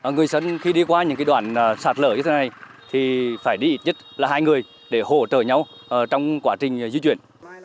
người dân khi đi qua những đoạn sạt lở như thế này thì phải đi ít nhất là hai người để hỗ trợ nhau trong quá trình di chuyển